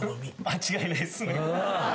間違いないっすね。